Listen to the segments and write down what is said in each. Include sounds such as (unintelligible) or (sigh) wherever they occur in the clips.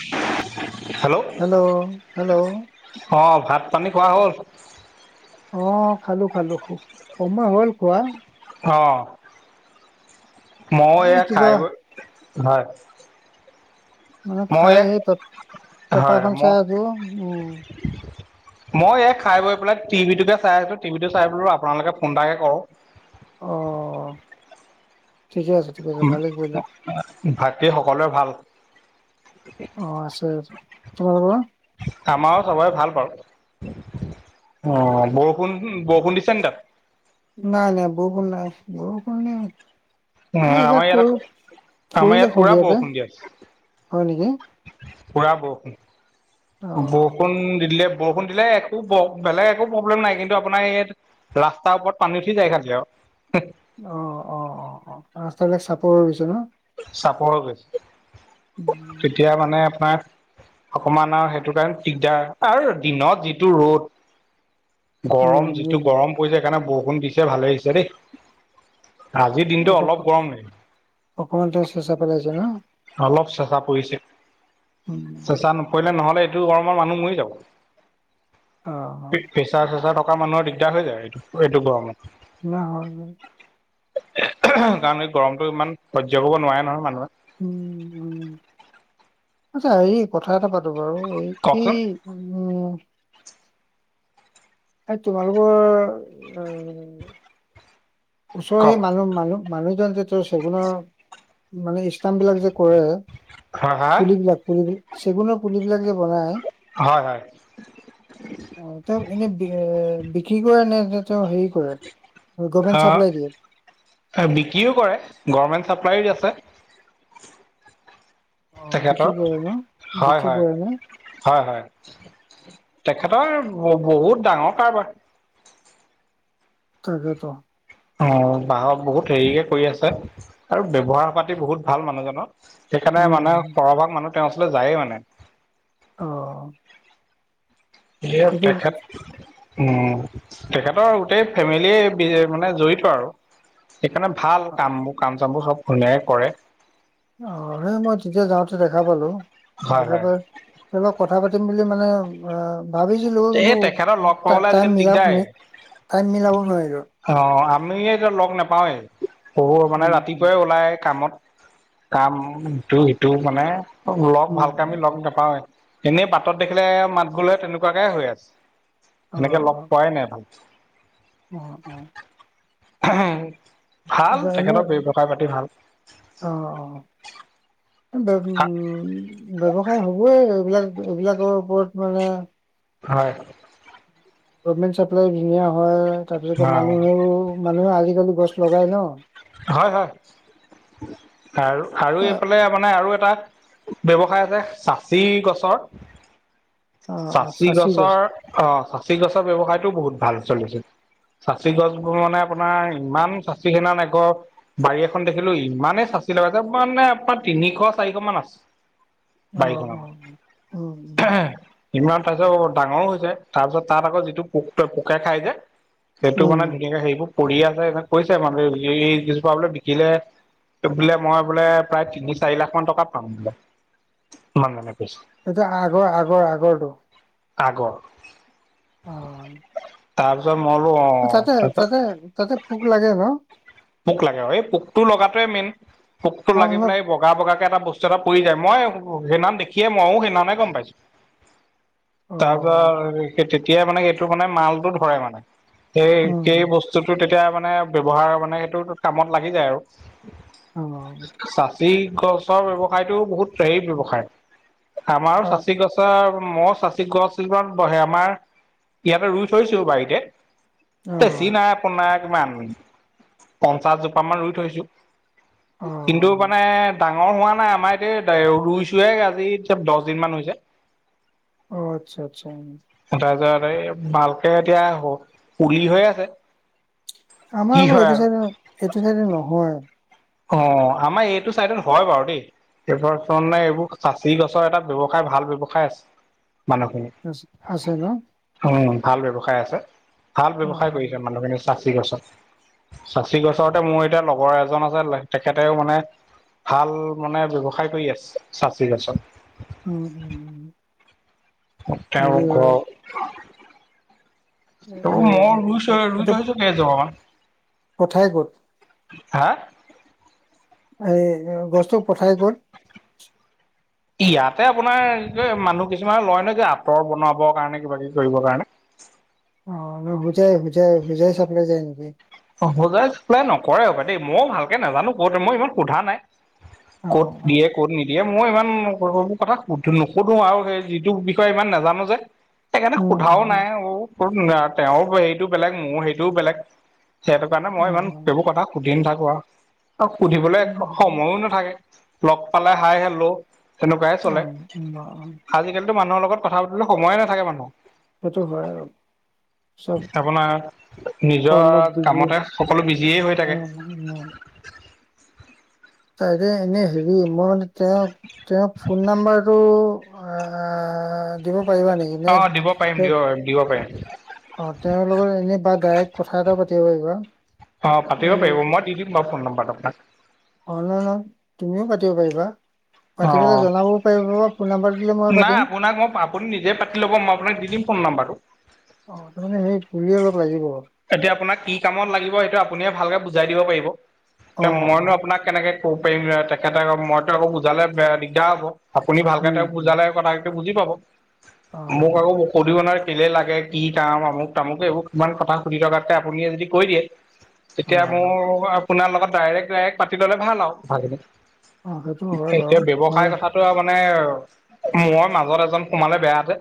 অ, ' hello hello অ ভাত পানী খোৱা হ'ল অ খালো খালো সময় হ'ল খোৱা অ ময় এ এয়া কিবা খাই ব হয় মানে মই খাই ইয়াক সেই হয় তেেপাখন চা মই য উ মই এই খাই গৈ পেলাই টিভি োকে চাই আছো টিভি টো চাই পেল আপোনালোকে ফোন এাকে কৰো অ ঠিকে আছে ঠিকে আছে ভালেই কৰিলা ভাতৃ সকলোৰে ভাল অ আছে তোমাৰ পৰা আমাৰো সবে ভাল পাওঁ অ বৰষুণ বৰষুণ দিছে নি তাত নাই নাই বক নাই আ ব ক ন এ আমাৰ যাক ইয়াত আকৌ আমাৰ ইয়াত ফুৰিলে পুৰা সন্ধিয়াতে বৰষুণ দি আছে হয় নেকি? পুৰা বৰষুণ অ বৰষুণ দিলে বৰষুণ দিলে একো বেলেগ একো প্ৰব্লেম নাই কিন্তু আপোনাৰ ইয়াত ৰাস্তাৰ ওপৰত পানী উঠি যায় খালী আৰু অ, ' অ, ' অ, ' অ, 'ৰাস্তা বিিলাক চাপৰ পিছ ন' চাপৰ গৈছে উম তেতিয়া মানে আপোনাৰ অকমান আৰু সেইটো কাৰণে দিগদাৰ আৰু দিনত যিটো ৰ'দ গৰম যিটো উম গৰম পৰিছে সেইকাৰণে বৰষুণ দিছে ভালে আহিছে দেই আজিৰ দিনটো অলপ গৰম হ অমান চে চা পেলাইছে ন অলপ চেচা পৰিছে। উম চেঁচা নপৰিলে নহলে এইটো গৰমৰ মানুহ মৰি যাব। অ অ পেচাৰ চেচা থকা মানুহৰ দিগদাৰ হৈ যায় এইটো এইটো গৰমত। নহগৈ (unintelligible) কাৰণ এই গৰমতটো ইমান সহ্য কৰিব নোৱাৰে নহয় মানুহে। উম উম, আচ্ছা হেৰি কথা এটা পাতো বাৰু এই কওকচোন এই উম এই তোমালোকৰ ওচৰৰ সেই কওক মানুহ মানুহ মানুহজন যে তেওঁ চেগুনৰ মানে ইষ্টাম বিলাক যে কৰে হয় হা পুলিবিলাক পুলাক চেগুনৰ পুলিবিলাক যে বনাই,, হয় হয়, অ তেওঁ এনেই এ বিক্ৰী কৰে নে তেওঁ হেৰি কৰে গভমেণ্ট চাপ্লাই দিয়ে? অ বিক্ৰীও কৰে গভমেন্ট চাপ্লাই আছে। অ তেখেতৰ বিক্ৰী কৰে ন হয় বিক্ৰী হয় কৰে ন? হয় হয় তেখেতৰ বহুত ডাঙৰ কাৰবাৰ তাকেতো। অ বাঁহৰ বহুত হেৰিকে কৰি আছে, আৰু ব্যৱহাৰ পাতি বহুত ভাল মানুহজনৰ। সেইকাৰণে মানে অ', সৰভাগ মানুহ তেওঁৰ ওচলৈ যায়ে মানে। অঁ, এয়া টকা (unintelligible) উম তেখেতৰ গোটেই ফেমিলি মানে জড়িত আৰু। সেইকাৰণে ভাল কাম বোৰ কাম চাম বোৰ চব ধুনীয়াইে কৰে। অ সেই মই তেতিয়া যাওঁতে দেখা পালো হয় দেখা হয় পাই তাৰ পৰা কথা পাতিম বুলি মানে অ ভাবিছিলো এই কিন্তু তেখেতৰ লগ পাবলৈ টাইম আজিকালি মিল টাইম মিলাব নোৱাৰিলো। অঁ আমি এতিয়া লগ নাপাওঁৱেই বহু মানে উম উম ৰাতিপুৱাই ওলাই কামত কাম সিটো মানে লগ উম ভালকে আমি লগ উম নাপাওঁয়েই এনেই বাটত দেখিলে মাত গলে তেনেকুৱাকে হৈ আছে। অ এনেকে লগ পোৱাই নাই ভালকে। অঁ অঁ,, ভাল আচ্ছা এনে তেখেতৰ ব্যৱসায় পাতি ভাল। অ অ উম ব্যৱসায় হবই এইবিলাক এইবিলাকৰ ওপৰত মানে হয়,, গভমেণ্ট চাপ্লাই ধুনীয়া হয় তাৰপিছত অ' মানুহেও মানুহে আজিকালি গছ লগাই ন! হয় হয় আৰু আৰু অ এইফালে মানে আৰু এটা ব্যৱসায় আছে চাচি গছৰ অ চাচি গছ গছৰ অ চাচি গছৰ ব্যৱসায়তো বহুত ভাল চলিছে। চাচি গছবোৰ মানে আপোনাৰ ইমান চাচি সেনা নাই বাৰী এখন দেখিলো ইমানেই চাচি লগাই যে মানে আপোনাৰ তিনিশ চাৰিশ মান আছে অ বাইক অ উম উম (unintelligible) ইমান পাৰিছত ডাঙৰো হৈছে তাৰপিছত তাত আকৌ যিটো পোক পোকে খাই যে সেইটো উম মানে ধুনীয়াকে সেইবোৰ পৰি আছে এ কৈছে মানুহে এইজোপা বোলে বিকিলে বোলে মই বোলে প্ৰায় তিনি চাৰি লাখ মান টকা পাম বোলে ইমাননে কৈছো তাৰপাছত আগৰ আগৰ আগৰটো আগৰ (unintelligible) অঁ। (unintelligible) তাৰ পিছত মই বোলো অঁ (unintelligible) (unintelligible) তাতে-তাতে-তাতে পোক লাগে ন? পোক লাগে অ। এই পোকটো লগাটোৱেই মেইন। পোকটো লাগি অলপ পেলাই (unintelligible) বগা-বগাকে এটা বস্তু এটা পৰি যায়। মই সেইদিনাখন দেখিয়ে মইও সেইদিনাখনে গম পাইছোঁ। (unintelligible) অ তাৰপৰা সেই তেতিয়াই মানে এইটো মানে মালটো ধৰে মানে। সেই-সেই উম বস্তু (inaudible) বস্তুটো তেতিয়া মানে ব্যৱহাৰ মানে সেইটো কামত লাগি যায় আৰু। অ (unintelligible) চাচি গছৰ ব্যৱসায়তো বহুত হেৰি ব্যৱসায়। আমাৰো অ চাচি গছ (unintelligible) (unintelligible) মইও চাচি গছ এজোপা (inaudible) আমাৰ ইয়াতে ৰুই থৈছো বাৰীতে। অ (unintelligible) বেছি নাই আপোনৰ কিমান (unintelligible) পঞ্চাছ জোপা মান ৰুই থৈছো। অ কিন্তু মানে (unintelligible) ডাঙৰ হোৱা নাই। আমাৰ এতিয়া ৰুইছোহে আজি দহদিন মান হৈছে। (unintelligible) অঁ! আচ্ছা-আচ্ছা, উম। (unintelligible) তাৰপিছত এই ভালকে এতিয়া পুলি হৈ আছে। (unintelligible) কি আমাৰ আকৌ হয় এইটো আৰু চাইডে, এইটো চাইডে নহয়। (unintelligible) অঁ! আমাৰ এইটো চাইডত হয় বাৰু দেই। (unintelligible) এইব তানে (unintelligible) এইবোৰ চাচি গছৰ এটা ব্যৱসায় ভাল ব্যৱসায় আছে মানুহখিনিৰ। (unintelligible) আছে ন? উম! ভাল ব্যৱসায় আছে। ভাল অ ব্যৱসায় কৰিছে মানুহখিনিয়ে (unintelligible) চাচি গছত। চাচি গছতে মোৰ এতিয়া লগৰ এজন আছে (unintelligible) তেখেতেও মানে ভাল মানে ব্যৱসায় কৰি আছে চাচি গছৰ। (unintelligible) উম-উম-উম। (unintelligible) তেওঁৰ ঘৰ (unintelligible) (unintelligible) এই মই ৰুইছোহে ৰুই এইটো থৈছোঁ কেইজোপামান। পঠাই ক'ত? (unintelligible) (inaudible) হা? এই গছটো পঠাই ক'ত? (unintelligible) ইয়াতে আপোনাৰ কি কয় মানুহ কিছুমানে লয় ন, যে আঁতৰ বনাবৰ কাৰণে, কিবাকিবি কৰিবৰ কাৰণে। (unintelligible) অঁ (unintelligible) হুজাই-হুজাই-হুজাই চাপ্লাই যায় নেকি? অ সোজাই চপ্লাই নকৰে হপাই দেই। ময়ো ভালকে নাজানো কত মই ইমান সোধা নাই। (unintelligible) অ ক'ত অ দিয়ে ক'ত নিদিয়ে? মই ইমান (unintelligible) (unintelligible) সেইবোৰ কথা নোসোধো আৰু সেই যিটো বিষয়ে ইমান নাজানো যে (unintelligible) সেইকাৰণে উম সোধাও উম নাই। অ (unintelligible) তেওঁৰ সেইটো বেলেগ, মোৰ সেইটোও বেলেগ। সেইটো কাৰণে অ মই ইমান সেইবোৰ কথা সুধি নাথাকো আৰু (inaudible) আৰু সুধিবলৈ সময়ো নাথাকে। লগ পালে হাই হেল্লো তেনেকুৱাই অ চলে। অ অ আজিকালিতো মানুহৰ লগত (unintelligible) কথা পাতিবলে সময় নাথাকে মানুহ। (unintelligible) সেইটো হয় আৰু চব (inaudible) আপোনাৰ নিজৰ কামতে (unintelligible) সকলো বিজিয়ে হৈ থাকে। উম-উম (unintelligible) তাই এনেই হেৰি মই মানে তেওঁক (unintelligible) তেওঁক ফোন নাম্বাৰটো আহ (unintelligible) দিব পাৰিবা নেকি? অ নে দিব পাৰিম দিব পাৰিম দিব পাৰিম (unintelligible) অঁ! তেওঁৰ লগত এনেই বা ডাইৰেক্ট কথা এটা পাতিব পাৰিবা? (unintelligible) অঁ! পাতিব এই পাৰিব। মই দি দিম বাৰু ফোন নাম্বাৰটো আপোনাক। (unintelligible) অনলাইনত তুমিও পাতিব পাৰিবা। অ পাতি পেলাই জনাবও পাৰিবা বা ফোন নাম্বাৰ দিলে মই নাই পাতিম আপোনাক মই আপুনি নিজে পাতি ল'ব মই আপোনাক দি দিম ফোন নাম্বাৰটো। অ তাৰ মানে সেই পুলয়ে অলপ লাগিব। এতিয়া আপোনাক কি কামত লাগিব সেইটো আপুনি ভালকে বুজাই দিব পাৰিব অ এতিয়া মইনো আপোনাক। কেনেকে কব পাৰিম তেখেতে আকৌ মইতো আকৌ বুজালে দিগদাৰ হ'ব। আপুনি ভালকে উম তেওঁক উম বুজালে কথাটো বুজি পাব অ মোক আৰু সোধিব ন কেলে লাগে কি কাম আমুক তামুক এইবোৰ কিমান কথা, সুধি টকাতকে আপুনিয়ে যদি কৈ দিয়ে অ তেতিয়া মোক আপোনাৰ লগত ডাইৰেক্ট ডাইৰেক্ট পাতি ল'লে ভাল আৰু ভাল অ সেইটো হয় বাৰু এতিয়া মই ব্যৱসায় কথাটো আৰু মানে মই মাজত এজন সোমালে বেয়া যে।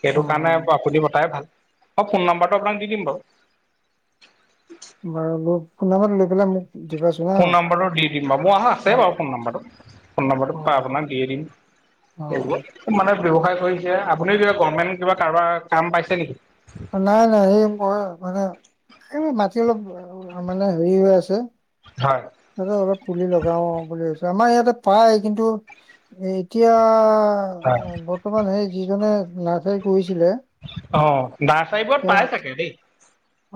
সেইটো কাৰণে অ আপুনি বতাই ভাল মই ফোন নম্বাৰটো আপোনাক দি দিম বাৰু (inaudible) বাৰু মোক ফোন নাম্বাৰটো লৈ পেল মোক। দিবাচোন হা ফোন নাম্বৰটো দি দিম বাৰু মোৰ আছে অ', বাৰু ফোন নম্বাৰটো ফোন নম্বাৰটো পাই আপোনাক দিয়ে দিম। অ অ খুব মানে ব্যৱসায় কৰিছে আপুনি কিবা গভৰ্মেণ্ট কিবা কাৰোবাৰ কাম পাইছে নেকি। নাই নাই এই মই মানে এইবোৰ মাটি অলপ মানে হেৰি হৈ আছে। হয়। ততে অলপ পুলি লগাও বুলি কৈছে আমাৰ ইয়াতে পায় কিন্তু এ এতিয়া হয়। বৰ্তমান সেই যিজনে নাৰ্চাৰী কৰিছিলে। অ নাৰ্চাৰী বোৰত তেওঁ পাই চাগে দেই।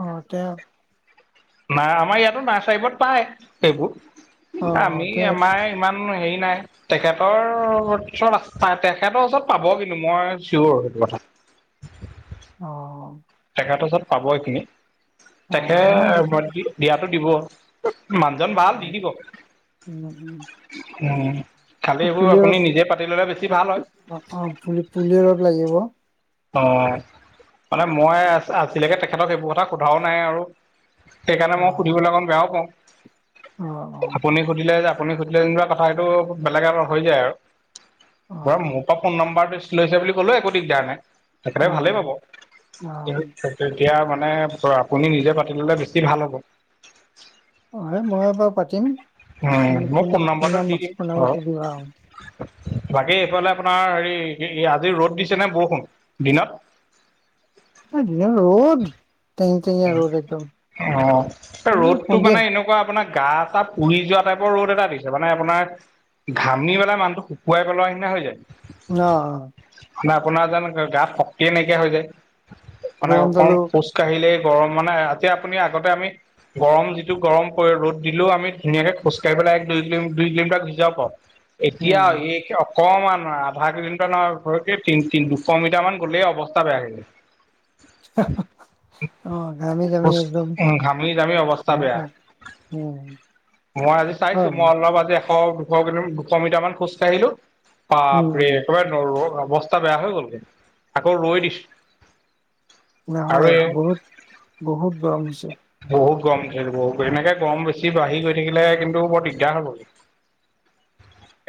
অ তে না আমাৰ ইয়াতো নাৰ্চাৰীবোৰত পায় অ', সেইবোৰ আমি অ তেওঁ আমাৰ ইমান হেৰি নাই। তেখেতৰ চৰত তেখেতৰ ওচৰত পাব কিন্তু মই চিয়ৰ সেইটো কথা। অ তেখেতৰ ওচব পাব এইখিনি অ', তেখে মানে ম দিয়াতটো দিব। মানুহজন ভাল দি উম, দিব উম, খালী এই এইবোৰ পুলি অলপ আপুনি নিজে পাতি ল'লে বেছি ভাল হয়। অ পুলি পুলি অলপ লাগিব। অ মানে মই আজিলৈকে তেখেতক সেইবোৰ কথা সোধাও নাই আৰু সেইকাৰণে মই অ', সুধিবলৈ অকণ বেয়াও পাওঁ। অ', অ', আপুনি সুধিলে যে আপুনি সুধিলে যেনিবা কথা সেইটো বেলেগ এ হৈ যায় আৰু বৰা মোৰ পৰা ফোন নম্বৰটো লৈছে বুলি ক'লো একো দিগদাৰ নাই। তেখেতে অ', ভালেই পাব। অ', অ'। তেতিয়া মানে আপুনি নিজে পাতি ল'লে বেছি ভাল হ'ব। অ হে মই এ বাৰু পাতিম। উ মই ফোন নাম্বাৰটো দি দিম। ফোন-ফোন-ফোন-ফোন দিবা আৰু বাকী এইফালে আপোনাৰ হেৰি আজি ৰ'দ দিছে নে বৰষুণ দিনত। দিনত ৰ'দ টেং টেঙীয়া ৰ'দ একদম অ উম ৰ'দটো সন্ধিয়া মানে এনেকুৱা আপোনাক গা চা পুৰি যোৱা টাইপৰ ৰ'দ এটা দিছে মানে আপোনাৰ ঘামি পেলাই মানুহটো শুকুৱাই পেলোৱা নিচিনা হৈ যায়। ন মানে আপোনাৰ যেন গাত শক্তিয়ে নাইকিয়া হৈ যায় মানে গৰম অকণ দালো খোজ কাঢ়িলেই গৰম মানে এতিয়া আপুনি আগতে আমি গৰম যিটো গৰম পৰে ৰ'দ দিলেও আমি ধুনীয়াকে খোজ কাঢ়ি পেলাই এক-দুই কিলোমি দুই কিলোমিটাৰ গুচি যাব পাৰো। এতিয়া উম এই অ অকমান অ আধা কিলোমিটাৰ নহয় ভয়ক তিনি তিনি দুশ মিটাৰ মান গ'লেই অৱস্থা বেয়া হৈ যায়। হে উম ঘামি-জামি অৱস্থা বেয়া। হাহাকাৰ। উম মই আজি চাইছো হয় মই অলপ আজি এশ দুশ কিলো দুশ মিটাৰ মান খোজ কাঢ়িলো উম বাপৰে, একেবাৰে ৰদত অৱস্থা বেয়া হৈ গ'লগে আকৌ ৰৈ দিছো। আৰু নহয় এই বহুত বহুত গৰম হৈছে। বহুত গৰম উঠে বহুত এনেকে গৰম বেছি বাঢ়ি গৈ থাকিলে কিন্তু বৰ দিগদাৰ হ'বগে।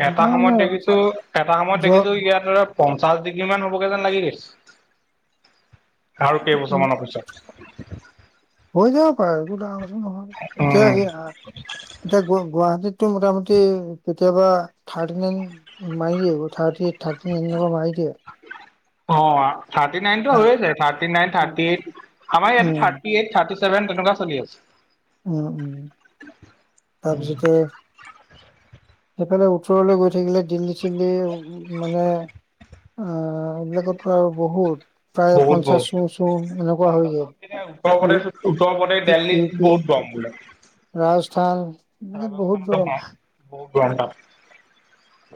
এটা তাৰ মানে সময়ত দেখিছো এটা সময়ত যোৱা দেখিছো ইয়াত ধৰি লক পঞ্চাশ ডিগ্ৰী মান হ'বগে যেন লাগি গৈছে আৰু উম, কেইবছৰমানৰ পিছত। (unintelligible) হৈ যাব পাৰে, একো ডাঙৰ কথা নহয় উম এতিয়া সেই হা এতিয়া গু গুৱাহাটীতটো মোটামুটি কেতিয়াবা থাৰ্টি নাইন মাৰি দিয়ে থাৰ্টি এইট থাৰ্টি নাইন এনেকোৱা মাৰি দিয়ে। অ থাৰ্টি নাইনটো হা হৈয়ে যায় থাৰ্টি নাইন, থাৰ্টি এইট, আমাৰ ইয়াতে উম, থাৰ্টি এইট, থাৰ্টি চেভেন, তেনেকোৱা চলি আছে। উম উম তাৰপিছতে সেইফালে উত্তৰলৈ গৈ থাকিলে দিল্লী-চিল্লী মানে অ, এইবিলাকত আৰু বহুত, প্ৰায় বহুত পঞ্চাশ বহুত ওচৰ এনেকোৱা হয়গে। এতিয়া উত্তৰ প্ৰদেশ উত্তৰ প্ৰদেশ দিল্লীত পি, বহুত গৰম বোলে। ৰাজস্থান এইবিলাকত বহুত ৰাজস্থানতো গৰম। কম বহুত গৰম তাত।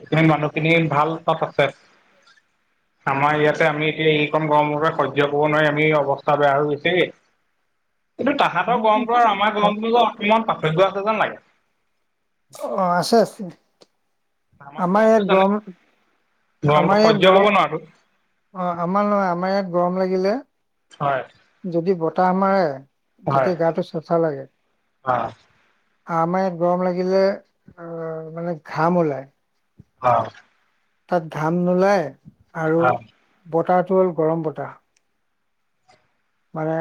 সেই মানুহখিনি ভাল তাত আছে আমাৰ ইয়াতে আমি এতিয়া এইকণ গৰমৰ পৰা সহ্য কৰিব নোৱাৰি আমি অৱস্থা বেয়া হৈ গৈছে। কিন্তু তাহাঁতৰ আহোঁতে গৰমতো আৰু আমাৰ অ', গৰমতো যে অকমান পাৰ্থক্য আছে যেন লাগে। অ, আছে আছে। আমাৰ গৰমটো ইয়াত জানে গৰম গৰমটো আমাৰ ইয়াত সহ্য কৰিব নোৱাৰো গৰম অ আমাৰ নহয়, আমাৰ ইয়াত গৰম লাগিলে হয়। যদি বতাহ মাৰে হয় তেতিয়া গাটো চেচা লাগে। অ। আমাৰ ইয়াত গৰম লাগিলে আহ মানে ঘাম ওলায়। অ। তাত ঘাম নোলায় আৰু অ বতাহতো হ'ল গৰম বতাহ। মানে,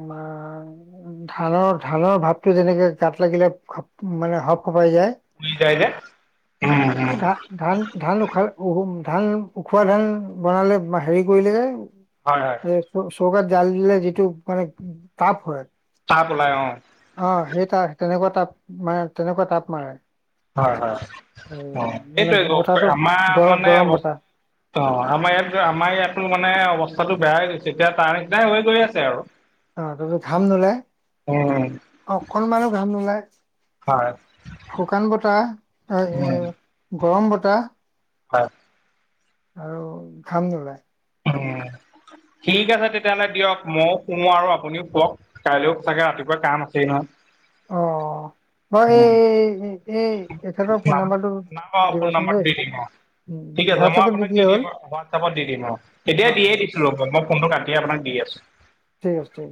আমাৰ অ ধানৰ ধানৰ ভাৱটো যেনেকে গাত লাগিলে মানে হপ খপাই যায় কি যায় যে উ উ এই ধা ধান ধান উখাল ধান উখোৱ ধান বনালে হেৰি কৰিলে যে হয় হয় এই চৌকাত জাল দিলে যিটো মানে তাপ হয় তাপ ওলাই অ। অহ, সেই তাৰ তেনেকুৱা তাপ মানে, তেনেকুৱা তাপ মাৰে। হয় হয়, অহ, মানে এইটোৱে বতাহটো আমাৰ গৰম মানে। গৰম বতাহ অহ, আমাৰ ইয়াত, আমাৰ ইয়াতো মানে অৱস্থাটো বেয়া হৈ গৈছে। এতিয়া তাৰ নিচিনাই হৈ গৈ আছে আৰু। অহ, তুমি ঘাম নোলাই, উম অকণমানো ঘাম নোলাই। হয় শুকান বতাহ, এ উম গৰম বতাহ। হয় আৰু ঘাম নোলাই উম ঠিক আছে তেতিয়াহ'লে দিয়ক মইও শুও আৰু আপুনিও শুৱক কাইলৈও চাগে ৰাতিপুৱা কাম আছেই নহয়। অহ হয় উম, এই এই তেখেতৰ ফোন নাম নাম্বাৰটো নাম অ ফোন দিবাচোন নাম্বাৰটো দেই। দি দিম অ ঠিক আছে মই হোৱাটছএপত আপোনাক দি দিলেই দিম হ'ল হোৱাটপত দি দিম আৰু অ এতিয়া অ দিয়েই দি ৰ'ব মই ফোনটো কাটি আপোনাক দি আছোঁ ঠিক আছে।